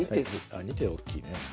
あ２手大きいね。